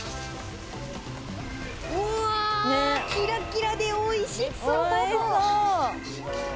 キラキラでおいしそう。